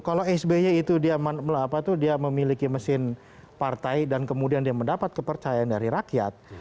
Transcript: kalau sby itu dia memiliki mesin partai dan kemudian dia mendapat kepercayaan dari rakyat